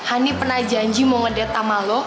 ani pernah janji mau ngedat sama lo